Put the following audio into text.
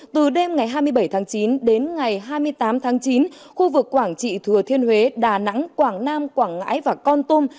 từ đêm ngày hai mươi bảy tháng chín đến ngày hai mươi tám tháng chín khu vực quảng trị thừa thiên huế đà nẵng quảng nam quảng ngãi và con tum